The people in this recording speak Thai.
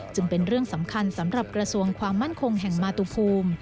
จึงเป็นเรื่องสำคัญสำหรับกระทรวงความมั่นคงแห่งมาตุภูมิ